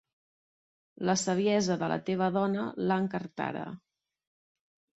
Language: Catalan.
La saviesa de la teva dona l'ha encartada.